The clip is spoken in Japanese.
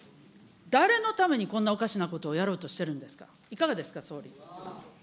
誰のためにこんなおかしなことをやろうとしてるんですか、いかがですか、総理。